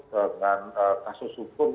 dengan kasus hukum